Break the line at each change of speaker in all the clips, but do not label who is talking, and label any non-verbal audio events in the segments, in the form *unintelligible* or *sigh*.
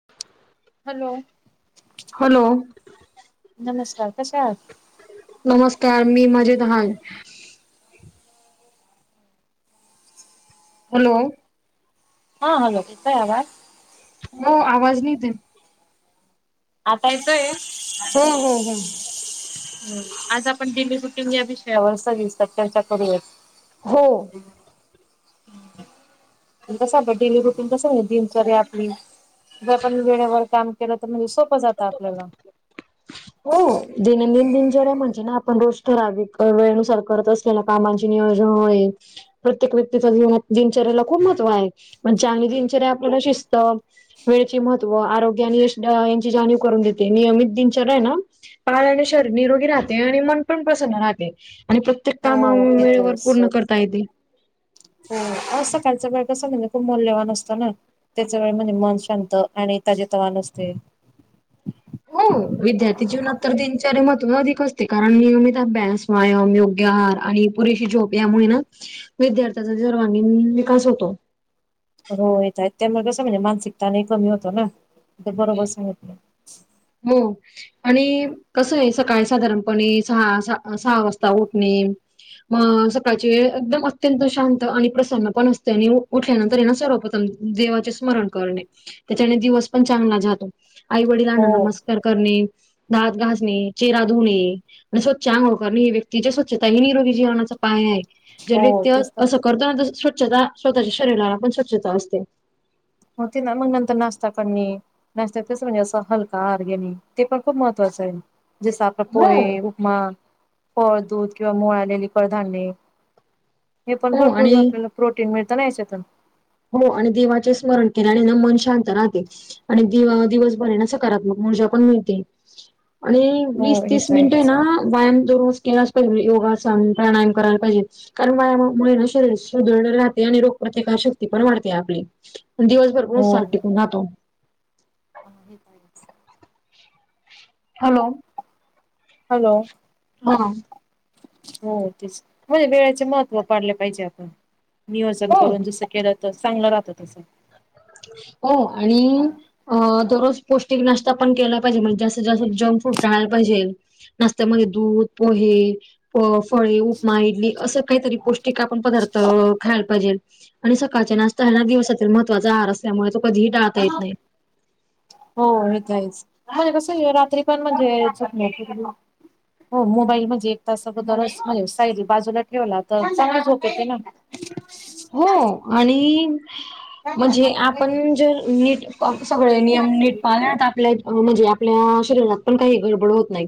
*unintelligible*
Hello चिकीचिक
hello
नमस्कार कशा आहात?
नमस्कार मी मजेत आहं. हॅलो
हा हॅलो येतोय आवाज?
नो आवाज नाही येते.
आत्ता येतोय?
हो हो हो.
ह आज आपण डेली रुटीन या विषयावर सविस्तर चर्चा करू यात.
हो.
कसं आपलं डेली रुटीन कसं दिनचर्या आपली, जे आपण वेळेवर काम केलं तर म्हणजे सोपं जातं आपल्याला.
हो दैनंदिन दिनचर्या म्हणजे ना आपण रोज ठराविक वेळेनुसार करत असतो त्याला कामाचे नियोजन प्रत्येक व्यक्तीच्या जीवनात दिनचर्येला खूप महत्त्व आहे, पण चांगली दिनचर्या आपल्याला शिस्त वेळेचे महत्व, आरोग्य आणि यांची जाणीव करून देते नियमित दिन दिनचर्याना *unintelligible* आणि शरीर निरोगी राहते, आणि मन पण प्रसन्न राहते, आणि प्रत्येक ते काम
हो
*unintelligible*
घेत
वेळेवर
आहेस
पूर्ण करता येते.
हो रोज सकाळच्या वेळ कसा म्हणजे खूप मौल्यवान असतो ना. त्याच वेळेमध्ये मन शांत आणि त्याचे तवानं असतंय.
हो विद्यार्थी जीवनात तर दिनचर्या महत्त्व अधिक असते कारण नियमित अभ्यास व्यायाम, योग्य आहार, आणि पुरेशी झोप, यामुळे ना विद्यार्थ्यांचा सर्वांगीण विकास होतो.
हो येतायेत त्यामुळ कसं ये म्हणजे मानसिक ताणही कमी होतो ना ते बरोबर सांगतलय
हो. आणि कस आहे सकाळी साधारणपणे सहा सहा सहा वाजता उठणे मग सकाळची वेळ एकदम अत्यंत शांत आणि प्रसन्न पण असते आणि उठल्यानंतर ये ना सर्व प्रथम देवाचे स्मरण करणे, त्याच्याने दिवस पण चांगला जातो, आई-वडिलांना
हो
नम स्कार करणे, दात घासणे, चेहरा धुणे आणि स्वच्छ आंघोळ करणे, ही व्यक्तीच्या स्वच्छता आणि निरोगी जीवनाचा पाया ये. ज्या
हो
व्यक्ती
तेच तर
असं करतात ना स्वच्छता स्वतःच्या शरीराला पण स्वच्छता असते.
होते ना मग नंतर नाश्ता करणे नाश्त्यात कसं म्हणजे असं हलका आहार घेणे ते पण खूप महत्त्वाच आहे, जसं आपलं
हो
पोहे, उप मा, फळ, दूध किंवा मोड आलेली कडधान्य हे पण
हो
भरपूर
आणि
आपल्याला प्रोटीन मिळतं ना याच्यातून.
हो आणि देवाचे स्मरण केल्याने ना मन शांत राहते. आणि देवा दिवसभर हाय ना सकारात्मक ऊर्जा पण मिळते. आणि वीस
हो
तीस
येत
मिनिट
आहेच
ना व्यायाम दर रोज केलाच पाहिजे योगासन, प्राणायाम करायला पाईजे कारण वायामामुळे न शरीर सुदृढ राहते आणि रोग प्रतिकार श ती पन वाडते आपली, दिवसभर पन
हो.
साठ टिकून राहतो.
*inaudible*
हॅलो.
हॅलो.
हा.
हो तेच मजे वेळेचे महत्त्व पाडले पाईजे आपन. नियोजन
हो
करून जसं केलं त चांगलं रातं तसं.
हो, आणि अ दररोज पौष्टिक नाश्ता पन केला पाईजे, मजे जास्तीत जास्त जंक फूड टाळला पाईजे नास्त्यामध्ये दूध पोहे पफ फळे, उपमा, इडली असं कैतरी पौष्टिक आपन पदार्थ खायाला पाईजेल. आनी सकाळच्या नास्ता हे ना दिवसातील महत्वाचा आहार असल्यामुळे तो कधीही टाळता येत नाई.
हो हे तर आहेच, मजे कसं रात्री पण मनजे यच हो मोबाईल मजे एकतास आगोदर स दरज मजे सायरी बाजूला ठेवला तर चांगली झोप येते ना.
हो, आनी मनजे आपन जर नीट सगळे नियम नीट पालनात, आपल्या मजे आपल्या शरीरात पण काई गडबड होत नाइ.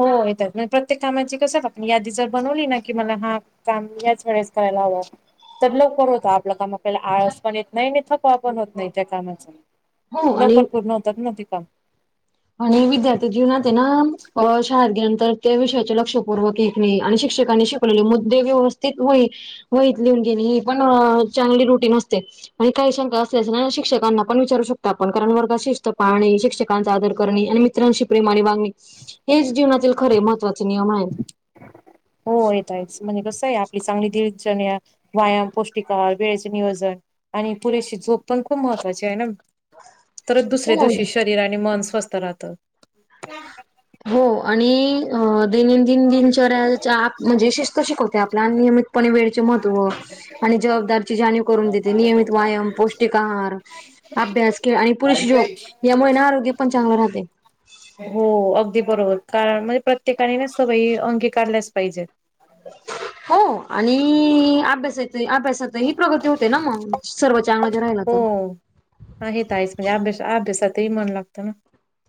हो हे त नाई प्रत्येक कामाची कसए पाका आपन यादी जर बनवली ना की मला हा काम याच वेळेस करायला हवं. तर लवकर होतं आपलं काम, आपल्याला आळस पन येत नाई आणि थकवा पन होत नाई त्या कामाचा.
हो
लवकर पूर्न होतात न ते काम.
आनी विद्यार्थी जीवनाते ना, अ शाळेत गेल्यानंतर त्या विषयाचे लक्षपूर्वक ऐकणे, आणि शिक्षकांनी शिक मुद्दे व्यवस्थित व वईत लिहून घेने, ही पन चांगली रुटीन असते. आनी काई शंका असल्याच ना शिक्षकांना पन विचारू शकता आपन, कारन वर्गात शिस्त पाळणे शिक्षकांचा आदर करने, आनी मित्रांशी प्रेमाने वागने हेच जीवनातील खरे महत्वाचे नियम आहेत.
हो येत आहेच, मनजे कसं आहे आपली चांगली दिनचर्या व्यायाम पौष्टिक अ वेळेचे नियोजन, आनी पुरेशी झोप पन खूप महत्त्वाचीए ना तरच दुसऱ्या
हो,
दिवशी शरीर आनी मन स्वस्तं राहतं.
हो आनी अ दैनंदीन दिनचर्याच्या मनजे शिस्त शिकवते आपल्याला, नियमीत पने वेळेचे महत्व आनी जवाबदारिची जानीव करून देते, नियमित व्यायाम पौष्टिक आहार अभ्यास, खेळ आनि पूरुष योग, यामुळे ना आरोग्य पन चांगलं राहते.
हो अगदी बरोबर, कारन मजे प्रत्येकाने ना सवई अंगी कारल्याच पाईजे.
हो, आनी आब्यासायचय ई अब्यासात त ही प्रगती होते ना मंग, सर्व चांगलं जर राहिलं तर.
हो हा हे तर आहेच, मनजे आब्याश आब्यासातई मन लागतं ना.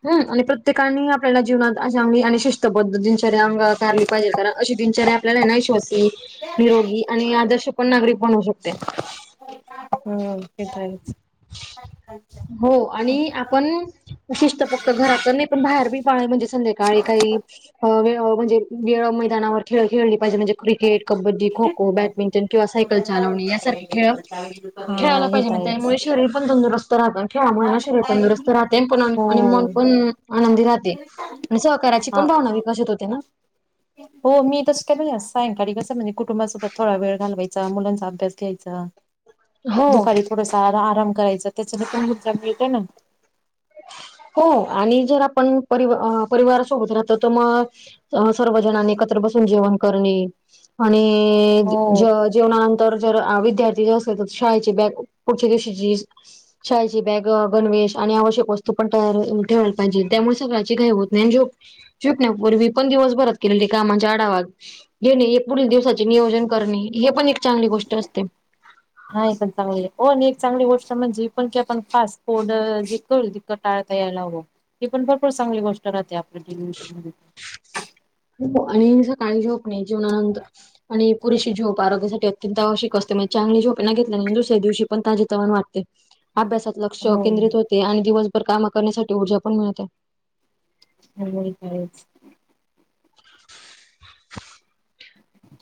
हम्म, आनी प्रत्येकानी आपल्याला जीवनात अशा शिस्त पद्धती दिनचर्या अंगीकारली कारन अशी दिनचरीया आपल्याला एना ईश्वासी, निरोगी, आनी आदर्श पन नागरिक बनउ शकते.
हम्म, ते त आएच.
हो, आनी आपन शिस्त फक्त घरात नाई पन बाहेर बी पाळी मनजे संध्याकाळी काई अ वेळ मनजे वेळ मैदानावर खेळ खेळली पाईजे मनजे क्रिकेट, कबड्डी, खो खो, बॅडमिंटन, किंवा सायकल चालवणे यासारखे खेळं
हा
खेळायला
हे
पाहिजे
तर
मग
आहेच
त्यामुळे शरीर पण तंदुरूस्त त राहतं, आणि खेळामुळे ना शरीर तंदुरुस्त राहते पन आनी मन
हो
पन आनंदी राहते. आनी सहकार्याची
हा
पन भावना विकसित होते ना.
हो, मी तस काय मनजे सायंकाळी कसं म्हणजे कुटुंबासोबत थोडा वेळ घालवायचा, मुलांचा अभ्यास घ्यायचा,
हो
दुपारी थोडासा आराम करायचा, त्याचाने पण मुद्दा मिळतो ना.
हो, आणि जर आपण परि परिवार सोबत राहतो तर मग अं सर्व जणानी एकत्र बसून जेवण करणे, आणि अ
हो
जेव जेवणानंतर जर विद्यार्थी जे असल तर शाळेचे बॅग पुढच्या दिवशीची छयची बॅग, गणवेश आणि आवश्यक वस्तू पण तयार ठेवायला पाहिजे, त्यामुळे सगळ्याची घाई होत नाही आणि जो जोपण्यापूर्वी पण दिवसभरात केलेले कामाचे आढावा घेणे, पुढील दिवसाचे नियोजन करणे, हे पण एक चांगली गोष्ट असते.
हा एक पण चांगली आहं हो आणि एक चांगली गोष्ट म्हणजे पण की आपण फास्ट फूड जे करू क टाळता यायला हवं हे पण भरपूर चांगली गोष्ट राहते आपल्या डेली रुटीन मध्ये.
हो आणि सकाळी झोप नाही जेवणानंतर आणि पुरेशी झोप आरोग्यासाठी अत्यंत आवश्यक असते म्हणजे चांगली झोप ना घेतले नाही ना दुसऱ्या दिवशी पण ताजेतवाने वातं ते अभ्यासात लक्ष
हो
केंद्रित होते आणि दिवसभर काम करण्यासाठी ऊर्जा पण मिळते.
*unintelligible*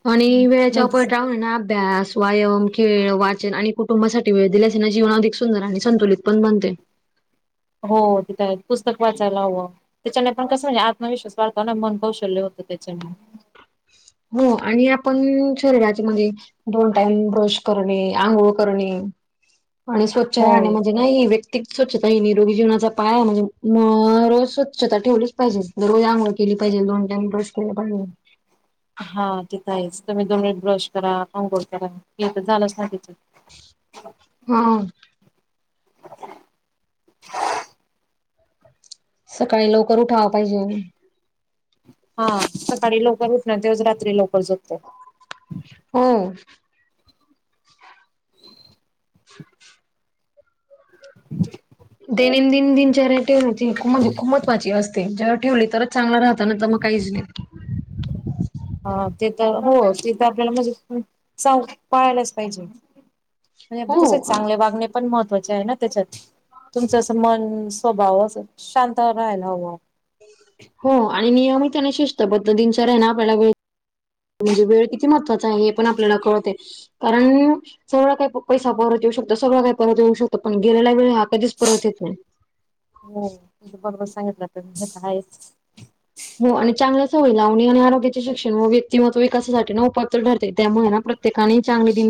आणि वेळेच्या
नाहीच
पयटावर आहे ना अभ्यास. व्यायाम खेळ वाचन आणि कुटुंबासाठी वेळ दिल्यास ना जीवन अधिक सुंदर आणि संतुलित पण बनते.
हो तिथे आहेत पुस्तक वाचायला हवं. त्याच्याने पण कसं म्हणजे आत्मविश्वास वाढतो ना मन कौशल्य होतं त्याच्याने.
हो आणि आपण शरीराच्या मध्ये दोन टाइम ब्रश करणे आंघोळ करणे आणि स्वच्छ राहणे
हो.
म्हणे नाही वैयक्तीक स्वच्छता हा निरोगी जीवनाचा पाया म्हणजे म रोज स्वच्छता ठेवलीच पाहिजे. दररोज आंघोळ केली पाहिजे आणं दोन टाइम ब्रश केला पाहिजे.
हा ते तर आहेच तुम्ही दोन वेळ ब्रश करा अंघोळ करा हे तर झालंच नाही त्यांच्यात.
हा सकाळी लवकर उठावा पाहिजे.
हा सकाळी लवकर उठणार तेच रात्री लवकर झोपते.
हो *unintelligible*
*unintelligible*
दैनंदिन दिनचर्या ठेवण्याचे हेतू खूप महत्वाची असते जर ठेवली तरच चांगला राहते. त्यानंतर मग काहीच नाही.
हा ते हो ते तर आपल्याला म्हणजे चाव पाळायलाच पाहिजे. म्हणजे तसे
हो
चांगले वागणे पण महत्त्वाचे आहे ना त्याच्यात तुमचं अस मन स्वभावचं शांत राहायला हवा.
हो हो आणि नेहमी त्यांना आणि शिस्तबद्ध दिनचर्या नाही बाळगली म्हणजे वेळ किती महत्वाचा आहे हे पण आपल्याला कळते. कारण सगळं काय पैसा परत येऊ शकतो सगळं काय परत येऊ शकतं पण गेलेला वेळ हा कधीच परत येत नाही.
हो तुमच्या बरोबर सांगितलं तर हे तर आहेच.
हो आणि चांगल्या सवय लावणे आणि आरोग्याचे शिक्षण व्यक्तिमत्व विकासासाठी ना उपयुत ठरते त्यामुळे ना प्रत्यक ठिकाणी चांगली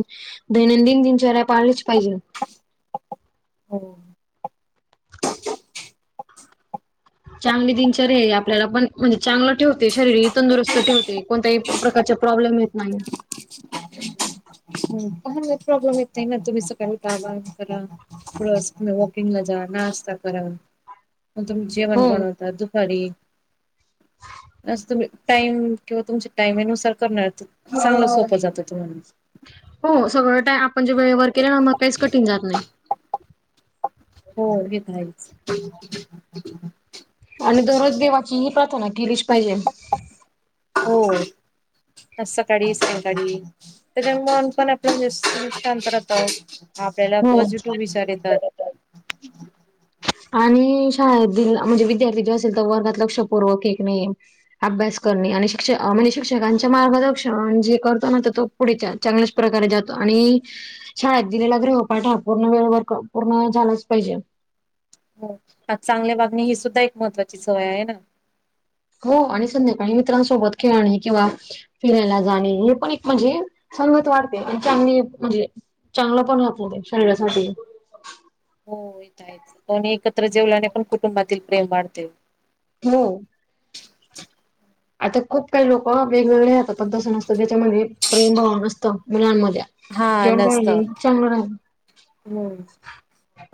दैनंदिन दिनचर्या पाळलीच पाहिजे.
हो
चांगली दिनचर्या ही आपल्याला पण म्हणजे चांगलं ठेवते शरीर ही तंदुरुस्त ठेवते. कोणत्याही प्रकारच्या प्रॉब्लेम येत नाही.
पहान प्रॉब्लेम येत नाही ना तुम्ही सकाळी उठवा हे करा. रोज तूम्ही वोकींगला जा नाश्ता करा. मग तुम्ही जेवन
हो
बनवता दुपारी, असं तुम्ही टाइम ठेवा तुमच्या टाईमनुसार करणार चांगलं सोपं जातं तुम्हाला.
हो सगळं टाय आपण जे वेळेवर केले ना मग काहीच कठीण जात नाही.
हो हे तर आहेच.
आणि दररोज देवाची ही प्रार्थना केलीची पाहिजे.
हो. आज सकाळी सयंकाळी तर मन पण आपल्या ज शांत राहत. होता वो. आपल्याला
हो.
पॉझिटिव्ह विचार येतात.
आणि शाळेदील म्हणजे विद्यार्थी जे असेल तर वर्गात लक्षपूर्वक एक नाहीये अभ्यास करणे आणि शिक्ष म्हणजे शिक्षकांचे मार्गदर्शन जे करतो ना तर तो पुढच्या चांगल्याच प्रकारे जातो आणि शाळेत दिलेला ग्रह पाठ हा पूर्ण वेळेवर क पूर्ण झालाच पाहिजे.
हो त्यात चांगल्या वागणी ही सुद्धा एक महत्त्वाची सवय आहे ना.
हो आणि संध्याकाळी मित्रांसोबत खेळणे किंवा फिरायला जाणे हे पण एक म्हणजे संगत वाढते आणि त्यांनी म्हणजे चांगलं पण होतो हो ते शरीरासाठी.
हो येता आहेच दोन्ही एकत्र जेवल्याने पण कुटुंबातील प्रेम वाढते.
हो.
*unintelligible*
आता खूप काही लोकं वेगवेगळे राहतात पण तसं नसतं ज्याच्यामध्ये प्रेमभाव नसतं मुलांमध्या. जेवण बाडली चांगलं राहीन.
मंग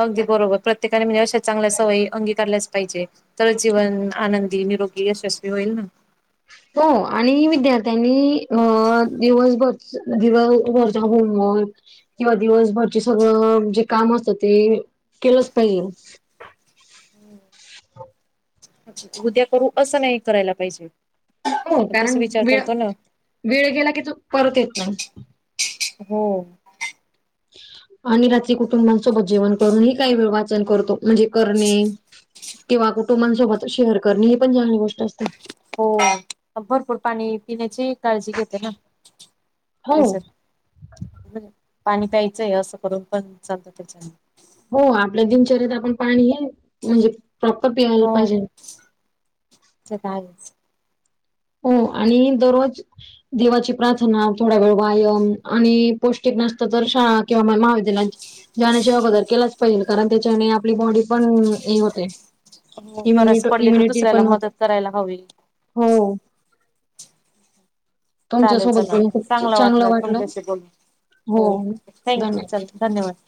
अगदी बरोबर प्रत्येकाने म्हणजे अशा चांगल्या सवयी अंगीकारल्याच पाहिजे. तर जीवन आनंदी निरोगी यशस्वी होईल ना.
तो आणि विद्यार्थ्यांनी हा दिवसभर दिवसभरचा होमवर्क म किंवा दिवसभरची सगळं जे काम असतं ते केलंच पाहिजे.
उद्या करू असं नाही करायला पाहिजे.
हो
तस
कारण
विचार
वेळ
करतो ना
वेळ गेला की तो परत येत नाही.
हो.
आणि रात्री कुटुंबांसोबत जेवण करून ही काही वेळ वाचन करतो. म्हणजे करणे किंवा कुटुंबसोबत शेअर करणे हे पण चांगली गोष्ट असते.
हो भरपूर पाणी पिण्याचे काळजी घेते ना
हो
त्याच्यात. *inaudible* पाणी प्यायचंय असं करून पण चालतं त्याच्याने.
हो आपल्या दिनचर्याेत आपण पाणी हे म्हणजे प्रॉपर पियायला पाहिजे.
सतावीस.
हो आणि दररोज देवाची प्रार्थना थोडा वेळ व्यायाम आणि पौष्टिक नाश्ता तर शाळा किंवा मला महाविद्यालयात. जण्याशिवाय गदर केलाच पाहिजे कारण त्याच्याने आपली बॉडी पण हे होते.
होतगरज
इम्युनिट
पडली तर
इम्युनिटी
दुसऱ्याला
पण होते.
मदत करायला हवी.
हो. तुमच्या
चालेल
सोबत
चला
बोलून खूप च-
चांगला
चांगलं
वाटलं तुमच्याशी बोलून. हो थँक्यू
धन्यवाद.
चल धन्यवाद.